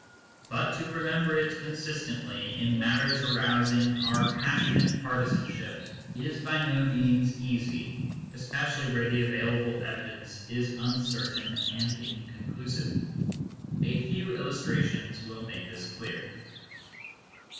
But to remember it consistently in matters arousing our passionate partisanship is by no means easy, especially where the available evidence is uncertain and inconclusive. A few illustrations will make this clear.